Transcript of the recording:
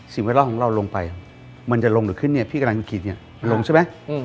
เวลาของเราลงไปมันจะลงหรือขึ้นเนี่ยพี่กำลังคิดเนี่ยลงใช่ไหม